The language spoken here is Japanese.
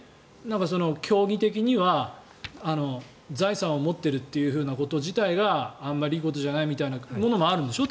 教義的には財産を持っているということ自体があまりいことじゃないみたいなものもあるんでしょ